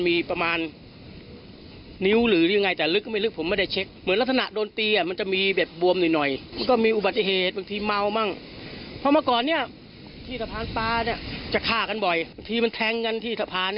ที่มันแทงกันที่ทะพาเนี่ยมันก็ทิ้งน้ำ